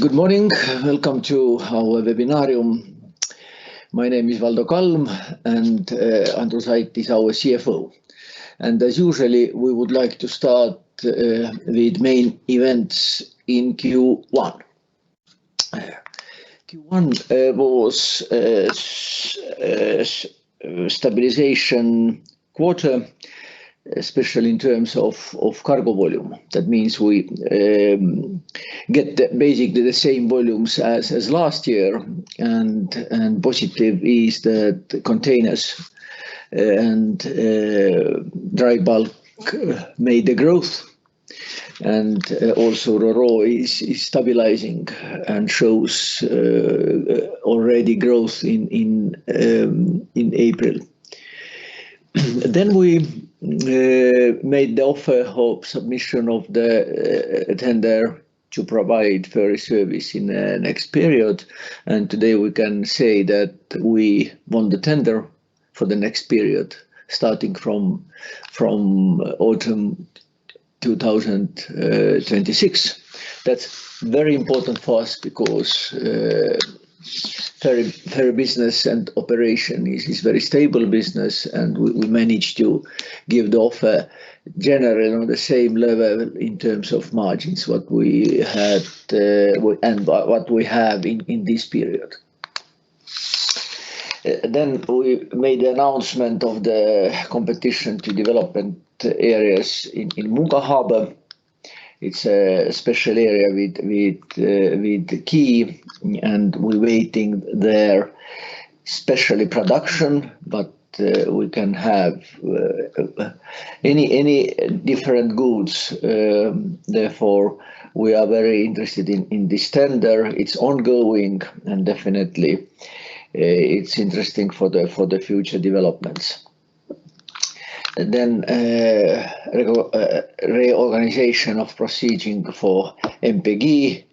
Good morning. Welcome to our webinar. My name is Valdo Kalm, and Andrus Ait is our CFO. And as usual, we would like to start with main events in Q1. Q1 was a stabilization quarter, especially in terms of cargo volume. That means we get basically the same volumes as last year. And positive is that containers and dry bulk made the growth. And also RORO is stabilizing and shows already growth in April. Then we made the offer of submission of the tender to provide ferry service in the next period. And today we can say that we won the tender for the next period, starting from autumn 2026. That's very important for us because ferry business and operation is very stable business. And we managed to give the offer generally on the same level in terms of margins, what we had, and what we have in this period. Then we made the announcement of the competition to development areas in Muuga Harbour. It's a special area with quay, and we're waiting there, especially production. But we can have any different goods. Therefore, we are very interested in this tender. It's ongoing, and definitely it's interesting for the future developments. And then reorganization of proceedings for MPG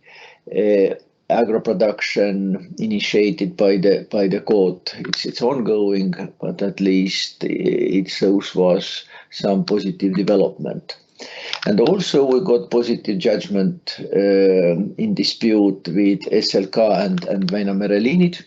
AgroProduction initiated by the court. It's ongoing, but at least it shows us some positive development. And also we got positive judgment in dispute with SLK and Väinamere Liinid.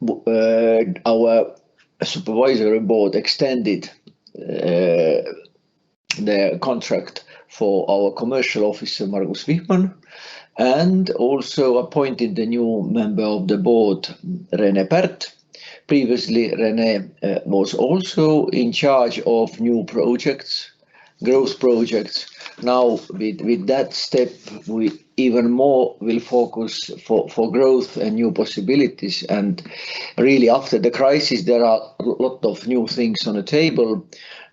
Our supervisory board extended the contract for our commercial officer, Margus Vihman, and also appointed the new member of the board, Rene Pärt. Previously, Rene was also in charge of new projects, growth projects. Now, with that step, we even more will focus for growth and new possibilities. And really, after the crisis, there are a lot of new things on the table.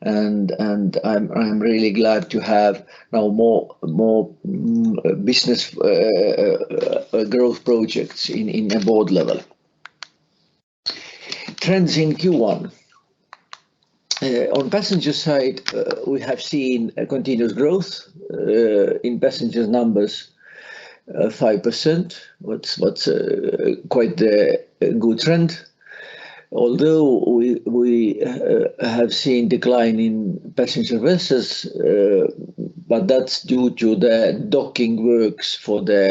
And I'm really glad to have now more business growth projects in a board level. Trends in Q1. On passenger side, we have seen continuous growth in passenger numbers, 5%, which quite a good trend. Although we have seen decline in passenger vessels, but that's due to the docking works for the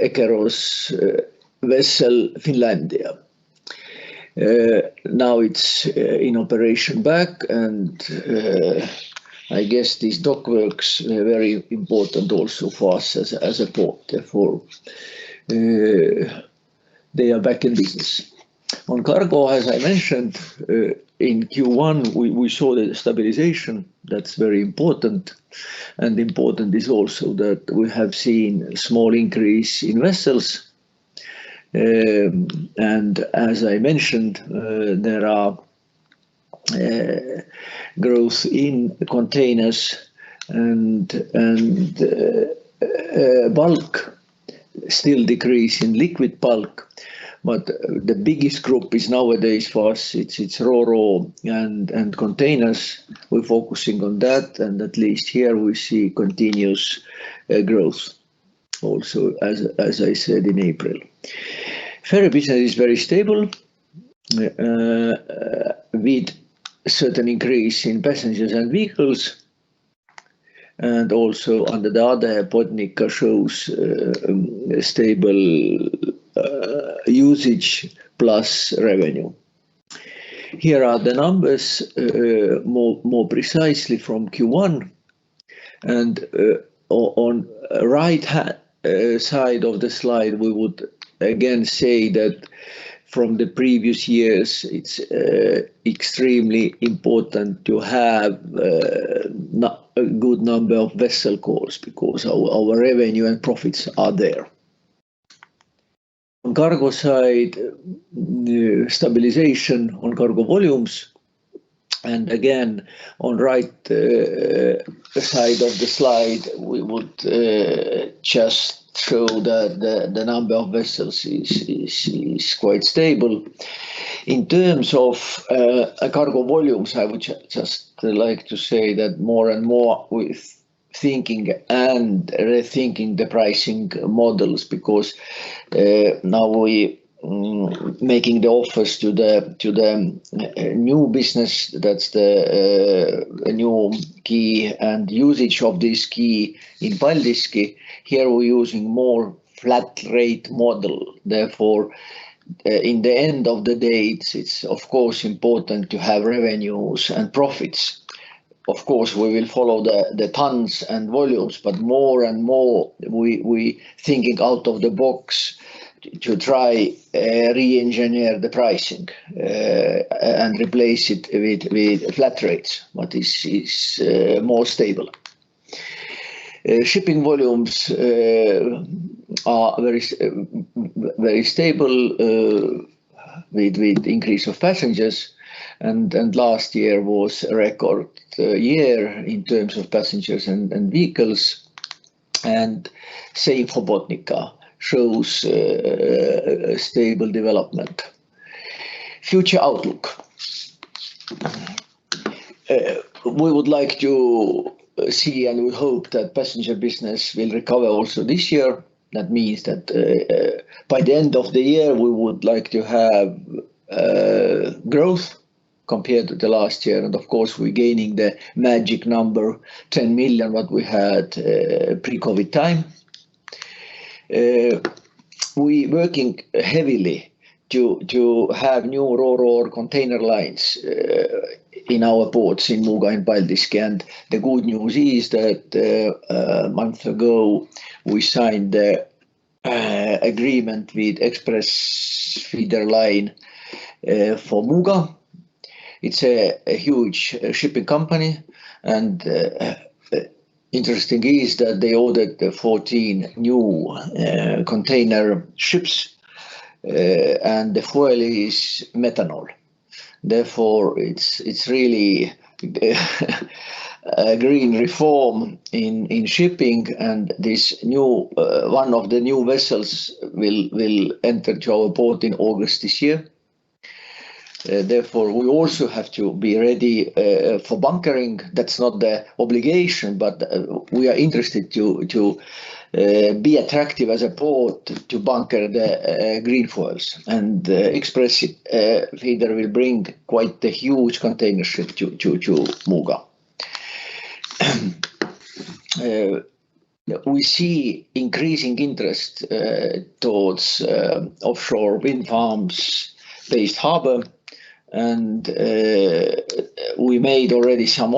Eckerö vessel, Finlandia. Now it's back in operation. And I guess these dock works are very important also for us as a port. Therefore, they are back in business. On cargo, as I mentioned, in Q1, we saw the stabilization. That's very important. Important is also that we have seen a small increase in vessels. As I mentioned, there are growth in containers and bulk, still decrease in liquid bulk. But the biggest group is nowadays for us, it's RORO and containers. We're focusing on that. At least here, we see continuous growth also, as I said in April. Ferry business is very stable, with certain increase in passengers and vehicles. Also, under the other, Botnica shows stable usage plus revenue. Here are the numbers more precisely from Q1. On right-hand side of the slide, we would again say that from the previous years, it's extremely important to have a good number of vessel calls because our revenue and profits are there. On cargo side, stabilization on cargo volumes. Again, on the right side of the slide, we would just show that the number of vessels is quite stable. In terms of cargo volumes, I would just like to say that more and more we're thinking and rethinking the pricing models because now we're making the offers to the new business. That's the new quay and usage of this quay in Paldiski. Here, we're using more flat-rate model. Therefore, in the end of the day, it's of course important to have revenues and profits. Of course, we will follow the tons and volumes, but more and more, we're thinking out of the box to try to re-engineer the pricing, and replace it with flat rates, what is more stable. Shipping volumes are very stable, with increase of passengers. And last year was a record year in terms of passengers and vehicles. And same for Botnica shows stable development. Future outlook. We would like to see and we hope that passenger business will recover also this year. That means that by the end of the year we would like to have growth compared to the last year. And of course we're gaining the magic number 10 million what we had pre-COVID time. We're working heavily to have new RORO container lines in our ports in Muuga and Paldiski. And the good news is that months ago we signed the agreement with X-Press Feeders Line for Muuga. It's a huge shipping company. And interesting is that they ordered 14 new container ships and the fuel is methanol. Therefore it's really a green reform in shipping. This new, one of the new vessels will enter to our port in August this year. Therefore, we also have to be ready for bunkering. That's not the obligation, but we are interested to be attractive as a port to bunker the green fuels. X-Press Feeders will bring quite the huge container ship to Muuga. We see increasing interest towards offshore wind farms-based harbor. We made already some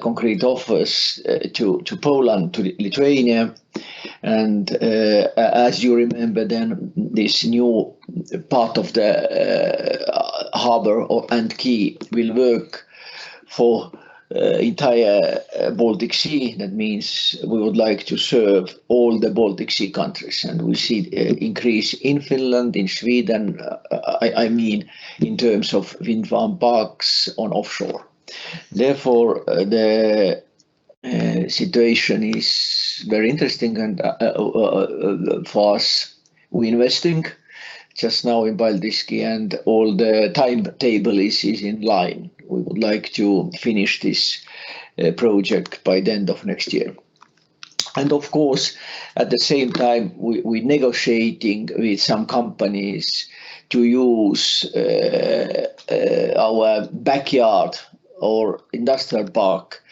concrete offers to Poland, to Lithuania. As you remember, then this new part of the harbor and quay will work for entire Baltic Sea. That means we would like to serve all the Baltic Sea countries. We see the increase in Finland, in Sweden, I mean, in terms of wind farm parks on offshore. Therefore, the situation is very interesting. For us, we're investing just now in Paldiski. All the timetable is in line. We would like to finish this project by the end of next year. And of course, at the same time, we're negotiating with some companies to use our backyard or industrial park,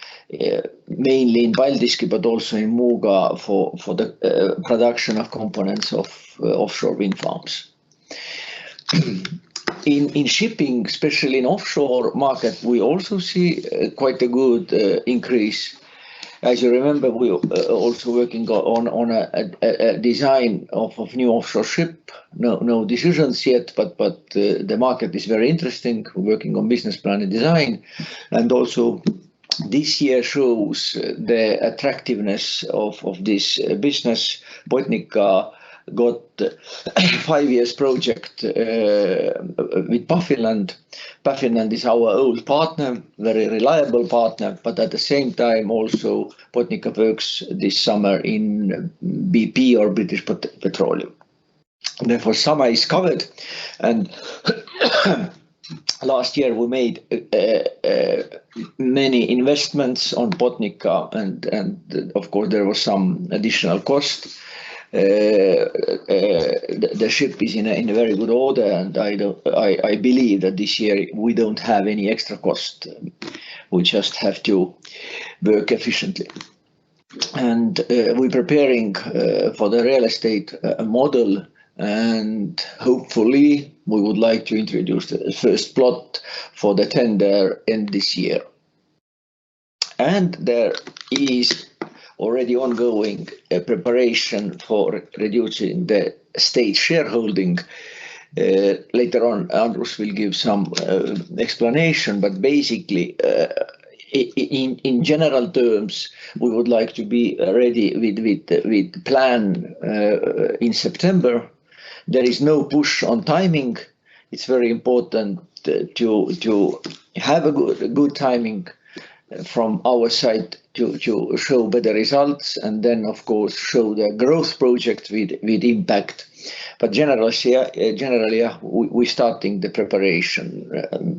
mainly in Paldiski, but also in Muuga for the production of components of offshore wind farms. In shipping, especially in offshore market, we also see quite a good increase. As you remember, we're also working on a design of new offshore ship. No decisions yet, but the market is very interesting. We're working on business plan and design. And also, this year shows the attractiveness of this business. Botnica got a five-year project with Baffinland. Baffinland is our old partner, very reliable partner. But at the same time, also, Botnica works this summer in BP or British Petroleum. Therefore, summer is covered. And last year, we made many investments on Botnica. And of course, there was some additional cost. The ship is in a very good order. And I believe that this year, we don't have any extra cost. We just have to work efficiently. And we're preparing for the real estate model. And hopefully, we would like to introduce the first plot for the tender end this year. And there is already ongoing a preparation for reducing the state shareholding. Later on, Andrus will give some explanation. But basically, in general terms, we would like to be ready with plan in September. There is no push on timing. It's very important to have a good timing from our side to show better results and then, of course, show the growth project with impact. But generally, yeah, we're starting the preparation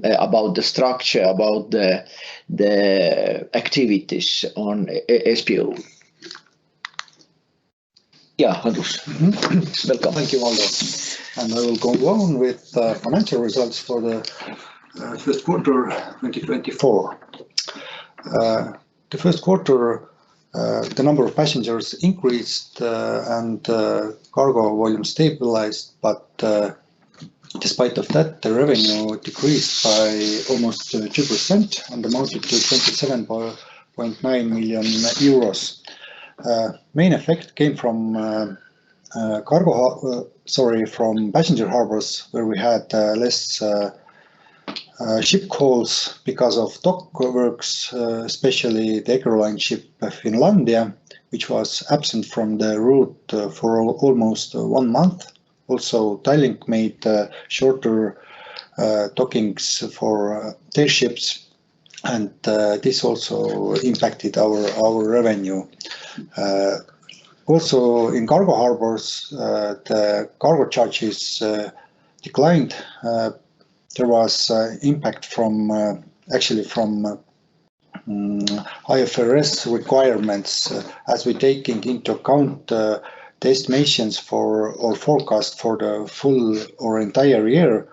about the structure about the activities on SPO. Yeah, Andrus. Welcome. Thank you, Valdo. And I will conclude with the financial results for the first quarter 2024. The first quarter, the number of passengers increased, and cargo volume stabilized. But despite of that, the revenue decreased by almost 2% and amounted to EUR 27.9 million. Main effect came from passenger harbors, where we had less ship calls because of dock works, especially the Eckerö Line ship Finlandia, which was absent from the route for almost one month. Also, Tallink made shorter dockings for their ships. And this also impacted our revenue. Also, in cargo harbors, the cargo charges declined. There was impact from, actually from, IFRS requirements. As we're taking into account estimations or forecast for the full or entire year,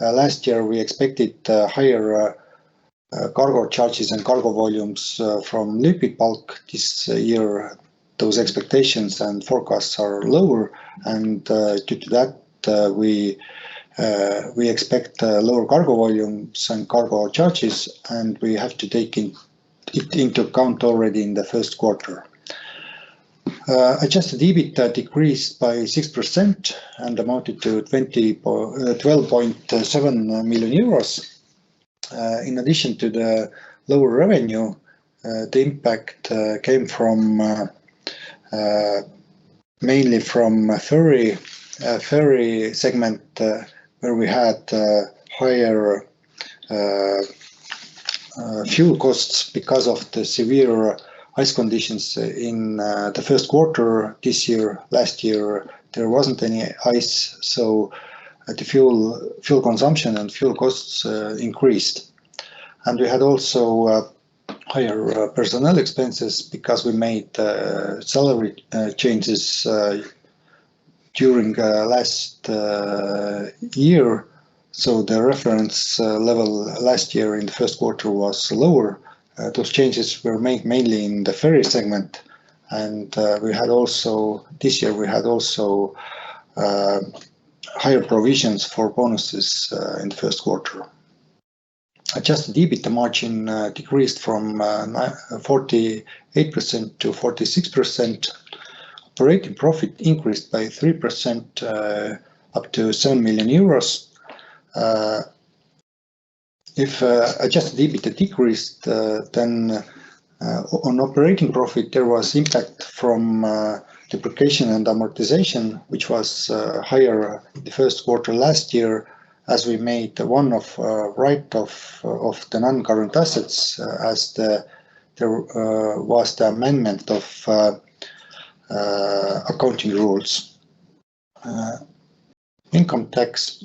last year we expected higher cargo charges and cargo volumes from liquid bulk. This year, those expectations and forecasts are lower. Due to that, we expect lower cargo volumes and cargo charges. We have to take it into account already in the first quarter. Adjusted EBITDA decreased by 6% and amounted to 20.7 million euros. In addition to the lower revenue, the impact came mainly from the ferry segment, where we had higher fuel costs because of the severe ice conditions in the first quarter this year. Last year, there wasn't any ice. So, the fuel consumption and fuel costs increased. We had also higher personnel expenses because we made salary changes during last year. So the reference level last year in the first quarter was lower. Those changes were made mainly in the ferry segment. And we had also this year higher provisions for bonuses in the first quarter. Adjusted EBITDA margin decreased from 48% to 46%. Operating profit increased by 3%, up to 7 million euros. If adjusted EBITDA decreased, then on operating profit there was impact from depreciation and amortization, which was higher in the first quarter last year as we made a write-off of the non-current assets as there was the amendment of accounting rules. Income tax,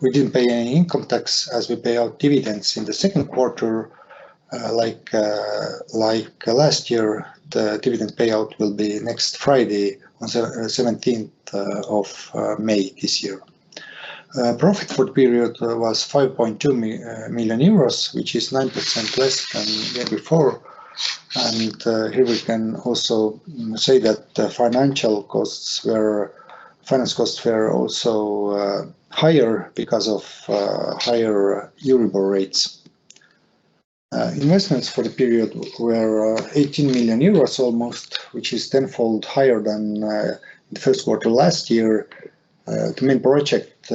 we didn't pay any income tax as we pay out dividends in the second quarter, like last year. The dividend payout will be next Friday, on the 17th of May this year. Profit for the period was 5.2 million euros, which is 9% less than the year before. Here we can also say that financial costs were also higher because of higher EURIBOR rates. Investments for the period were 18 million euros, almost, which is tenfold higher than the first quarter last year. The main project,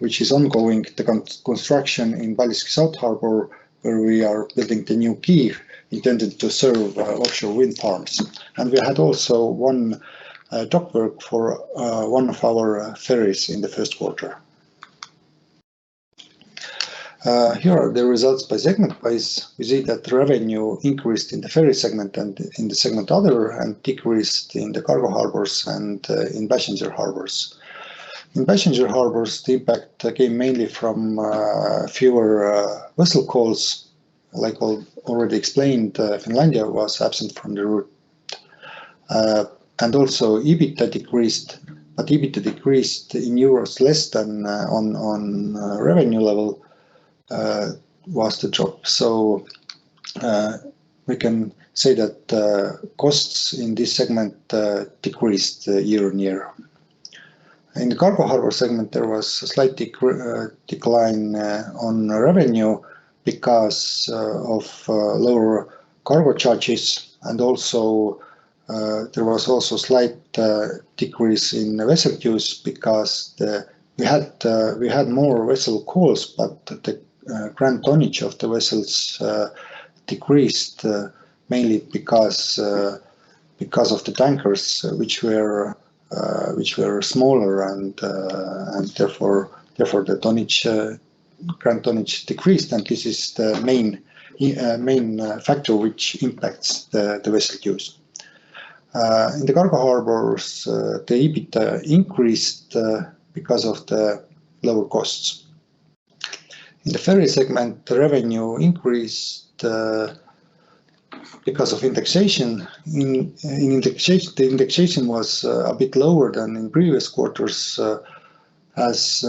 which is ongoing, is the construction in Paldiski South Harbour, where we are building the new quay intended to serve offshore wind farms. And we had also one dockwork for one of our ferries in the first quarter. Here are the results by segment-wise. We see that the revenue increased in the ferry segment and in the segment other and decreased in the cargo harbors and in passenger harbors. In passenger harbors, the impact came mainly from fewer vessel calls. Like all already explained, Finlandia was absent from the route. And also, EBITDA decreased. But EBITDA decreased in euros less than on the revenue level; the drop was less. We can say that costs in this segment decreased year-on-year. In the cargo harbor segment, there was a slight decrease in revenue because of lower cargo charges. And also there was a slight decrease in vessel use because we had more vessel calls, but the gross tonnage of the vessels decreased, mainly because of the tankers, which were smaller. And therefore the gross tonnage decreased. And this is the main factor which impacts the vessel use. In the cargo harbors, the EBITDA increased because of the lower costs. In the ferry segment, the revenue increased because of indexation. In indexation, the indexation was a bit lower than in previous quarters, as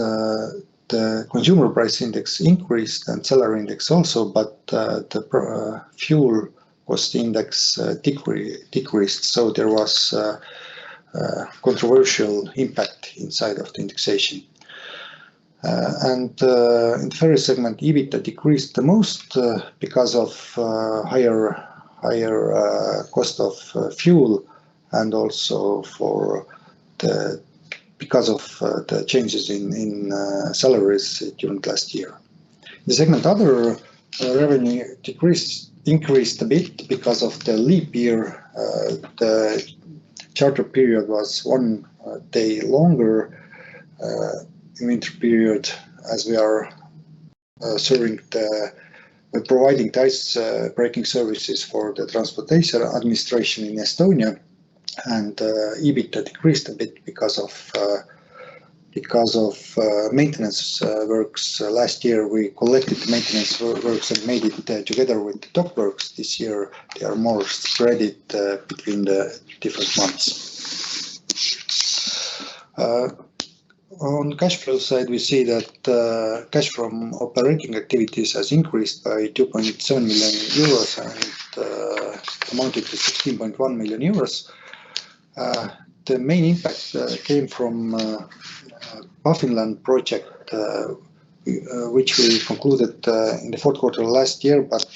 the consumer price index increased and salary index also. But the fuel cost index decreased. So there was controversial impact inside of the indexation. And in the ferry segment, EBITDA decreased the most because of higher cost of fuel and also because of the changes in salaries during last year. In the segment other, revenue increased a bit because of the leap year. The charter period was one day longer in winter period as we are serving the we're providing icebreaking services for the transportation administration in Estonia. And EBITDA decreased a bit because of maintenance works. Last year, we collected the maintenance works and made it together with the dock works. This year, they are more spread between the different months. On cash flow side, we see that cash from operating activities has increased by 2.7 million euros and amounted to 16.1 million euros. The main impact came from the Baffinland project, which we concluded in the fourth quarter last year. But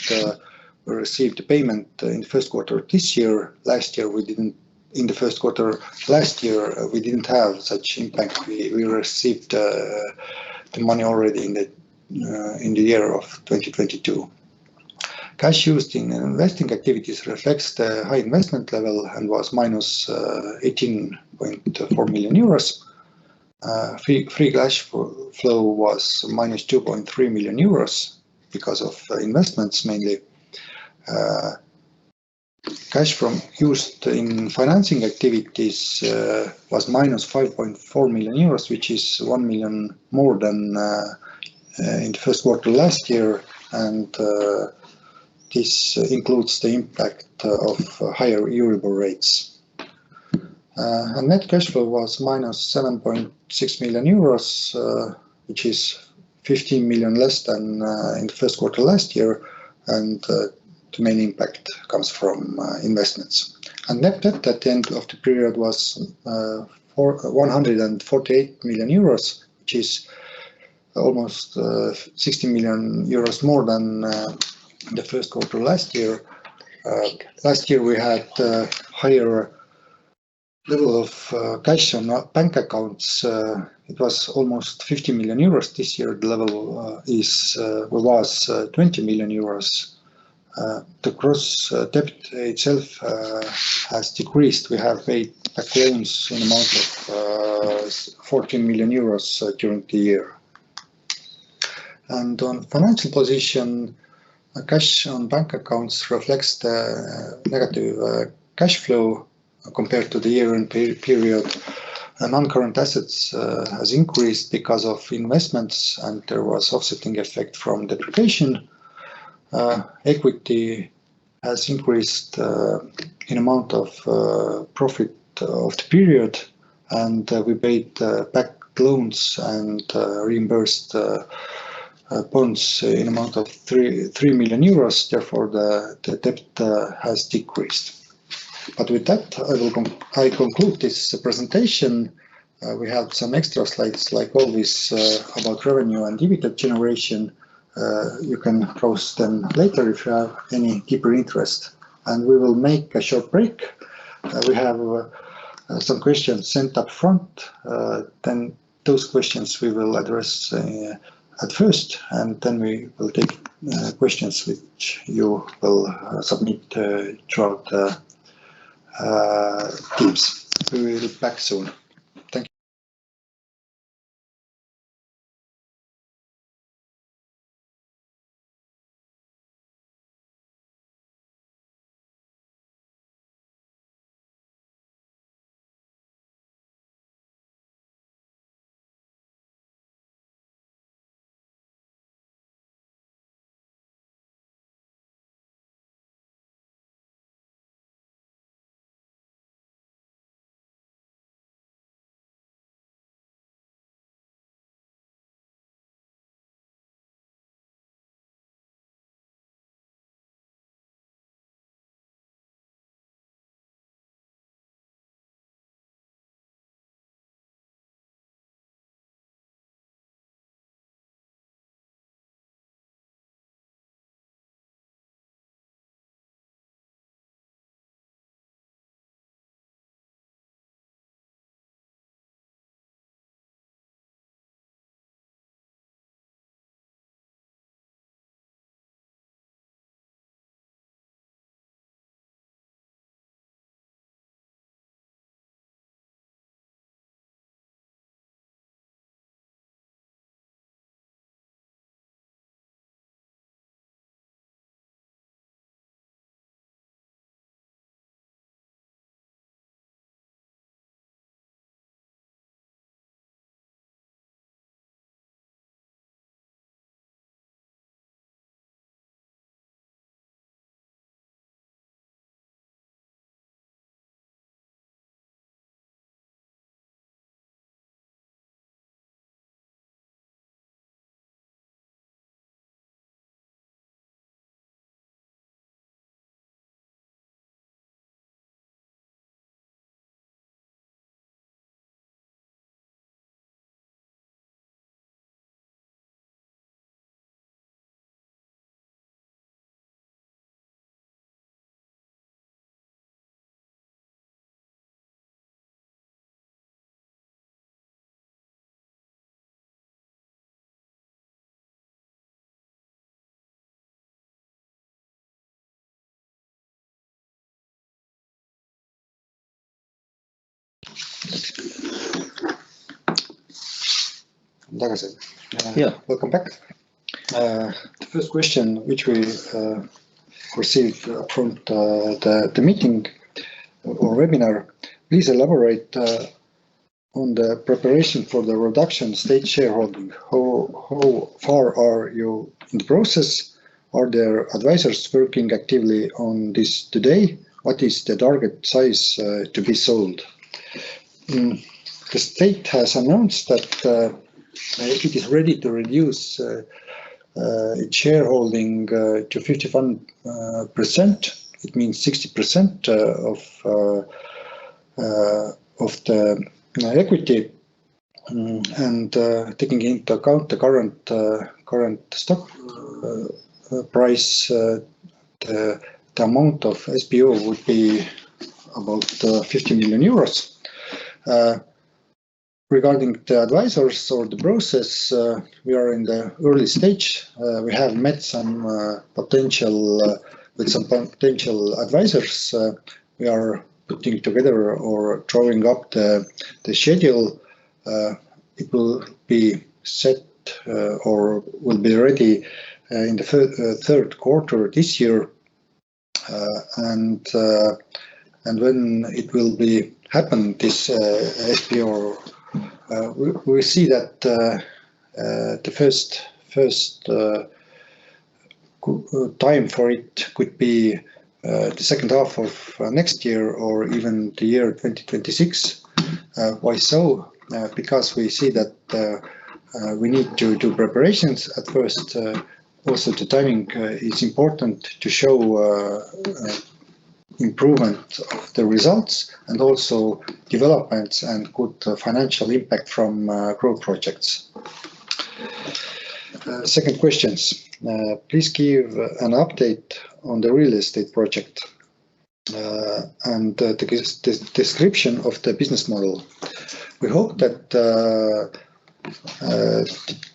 we received the payment in the first quarter of this year. Last year, we didn't. In the first quarter last year, we didn't have such impact. We received the money already in the year of 2022. Cash used in investing activities reflects the high investment level and was -18.4 million euros. Free cash flow was -2.3 million euros because of investments mainly. Cash used in financing activities was -5.4 million euros, which is 1 million more than in the first quarter last year. And this includes the impact of higher EURIBOR rates. Net cash flow was -7.6 million euros, which is 15 million less than in the first quarter last year. The main impact comes from investments. Net debt at the end of the period was 148 million euros, which is almost 16 million euros more than the first quarter last year. Last year, we had higher level of cash on bank accounts. It was almost 50 million euros this year. The level was 20 million euros. The gross debt itself has decreased. We have paid back loans in the amount of 14 million euros during the year. On financial position, cash on bank accounts reflects the negative cash flow compared to the year-end period. Non-current assets have increased because of investments. There was offsetting effect from depreciation. Equity has increased in amount of profit of the period. We paid back loans and reimbursed bonds in the amount of 3 million euros. Therefore, the debt has decreased. But with that, I will conclude this presentation. We have some extra slides, like always, about revenue and EBITDA generation. You can close them later if you have any deeper interest. We will make a short break. We have some questions sent up front. Then those questions, we will address at first. And then we will take questions which you will submit throughout Teams. We will be back soon, Thank. Welcome back. The first question, which we received up front, the meeting or webinar, please elaborate on the preparation for the reduction state shareholding. How far are you in the process? Are there advisors working actively on this today? What is the target size to be sold? The state has announced that it is ready to reduce its shareholding to 51%. It means 60% of the equity. Taking into account the current stock price, the amount of SPO would be about 50 million euros. Regarding the advisors or the process, we are in the early stage. We have met with some potential advisors. We are putting together or drawing up the schedule. It will be ready in the third quarter this year. And when it will happen, this SPO, we see that the first time for it could be the second half of next year or even the year 2026. Why so? Because we see that we need to do preparations at first. Also, the timing is important to show improvement of the results and also developments and good financial impact from growth projects. Second questions. Please give an update on the real estate project, and the description of the business model. We hope that the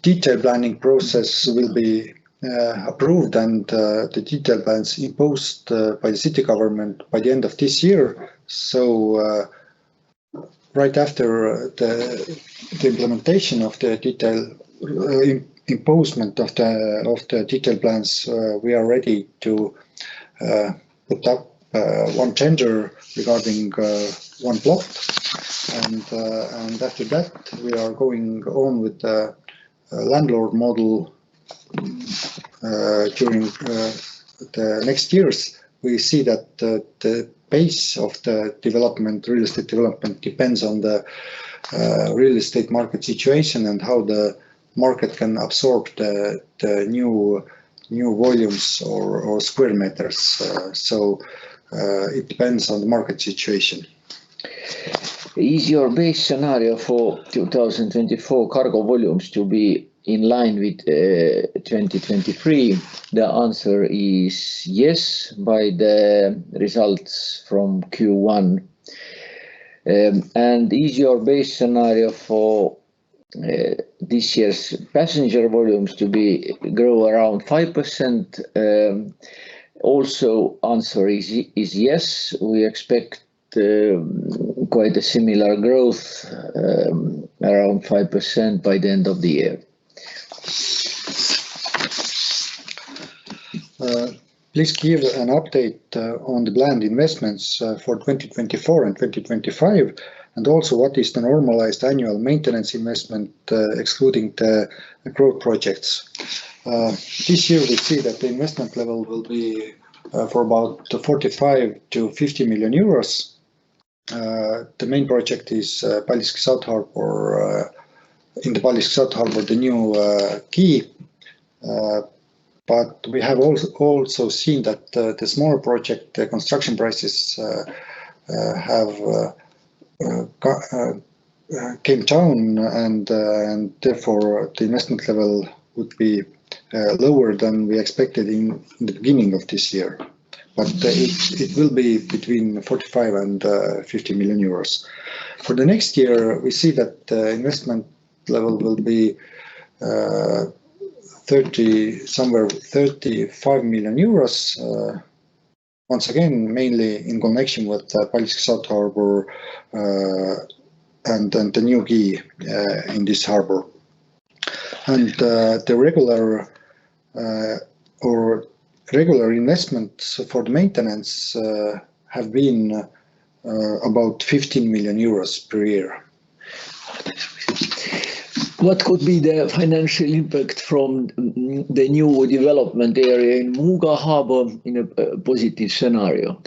detailed planning process will be approved and the detailed plans imposed by the city government by the end of this year. So, right after the implementation of the detailed imposition of the detailed plans, we are ready to put up one tender regarding one plot. And after that, we are going on with the landlord model during the next years. We see that the pace of the development, real estate development, depends on the real estate market situation and how the market can absorb the new volumes or square meters. So, it depends on the market situation. Is your base scenario for 2024 cargo volumes to be in line with 2023? The answer is yes by the results from Q1. And is your base scenario for this year's passenger volumes to grow around 5%? The answer is yes. We expect quite a similar growth around 5% by the end of the year. Please give an update on the planned investments for 2024 and 2025. And also, what is the normalized annual maintenance investment, excluding the growth projects? This year, we see that the investment level will be for about 45 million-50 million euros. The main project is Paldiski South Harbour. In the Paldiski South Harbour, the new quay. But we have also seen that the smaller projects, the construction prices, have come down. And therefore, the investment level would be lower than we expected in the beginning of this year. But it will be between 45 million and 50 million euros. For the next year, we see that the investment level will be somewhere 30-35 million euros, once again, mainly in connection with Paldiski South Harbour, and the new quay in this harbor. The regular investments for the maintenance have been about 15 million euros per year. What could be the financial impact from the new development area in Muuga Harbour in a positive scenario?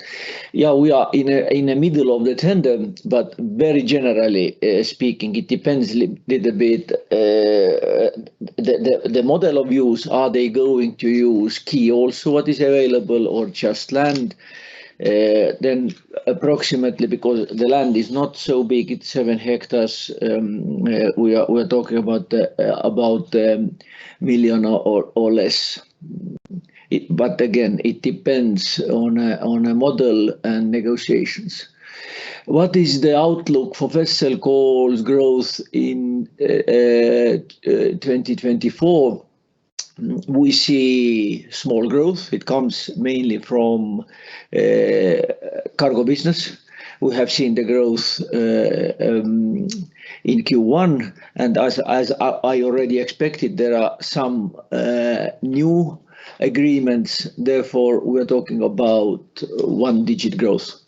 Yeah, we are in the middle of the tender, but very generally speaking, it depends a little bit on the model of use. Are they going to use quay also what is available or just land? Then approximately because the land is not so big, it's seven hectares, we are talking about a million or less. But again, it depends on a model and negotiations. What is the outlook for vessel calls growth in 2024? We see small growth. It comes mainly from cargo business. We have seen the growth in Q1. And as I already expected, there are some new agreements. Therefore, we are talking about one-digit growth.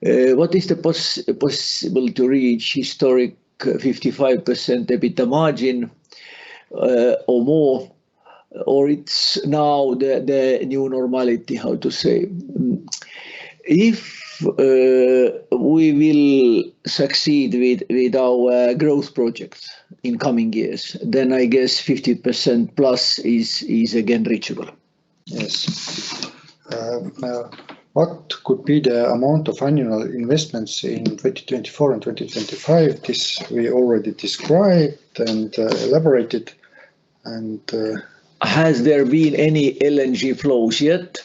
What is the possible to reach historic 55% EBITDA margin, or more? Or it's now the new normality, how to say? If we will succeed with our growth projects in coming years, then I guess 50%+ is again reachable. Yes. Now, what could be the amount of annual investments in 2024 and 2025? This we already described and elaborated. Has there been any LNG flows yet?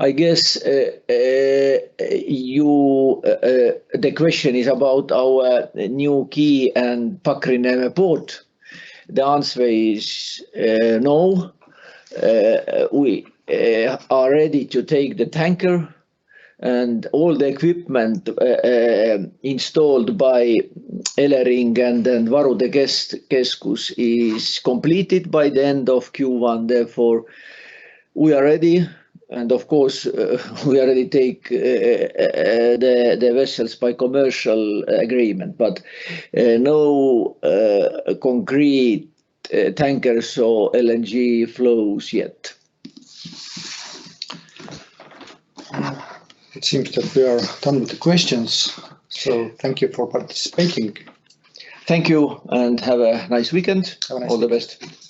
I guess the question is about our new quay and Pakri port. The answer is no. We are ready to take the tanker. And all the equipment installed by Elering and then Varude Keskus is completed by the end of Q1. Therefore, we are ready. And of course, we already take the vessels by commercial agreement. But no concrete tankers or LNG flows yet. It seems that we are done with the questions. So thank you for participating. Thank you. And have a nice weekend. All the best.